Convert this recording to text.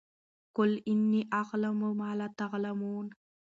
قَالَ إِنِّىٓ أَعْلَمُ مَا لَا تَعْلَمُونَ